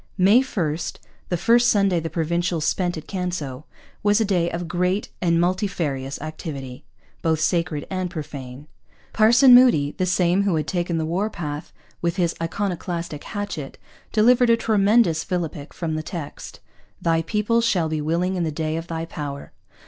May 1, the first Sunday the Provincials spent at Canso, was a day of great and multifarious activity, both sacred and profane. Parson Moody, the same who had taken the war path with his iconoclastic hatchet, delivered a tremendous philippic from the text, 'Thy people shall be willing in the day of Thy power.'